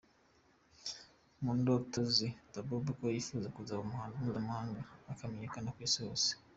Mu ndoto ze, Babou ngo yifuza kuzaba umuhanzi mpuzamahanga akamenyakana ku isihose.